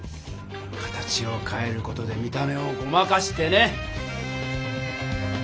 形をかえる事で見た目をごまかしてね！